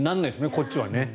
こっちはね。